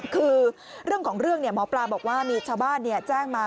คือเรื่องของเรื่องหมอปลาบอกว่ามีชาวบ้านแจ้งมา